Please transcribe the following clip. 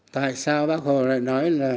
tại sao bác hồ lại nói